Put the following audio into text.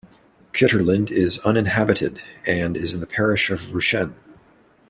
Kitterland is uninhabited and is in the parish of Rushen.